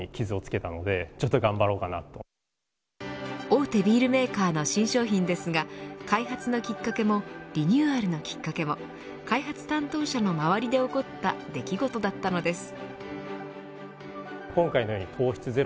大手ビールメーカーの新商品ですが開発のきっかけもリニューアルのきっかけも開発担当者の周りで起こった出来事だったのです。